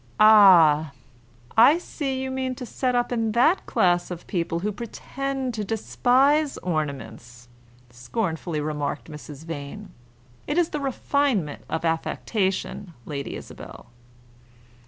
"Ah! I see you mean to set up in that class of people who pretend to despise ornaments," scornfully remarked Mrs. Vane. "It is the refinement of affectation, Lady Isabel."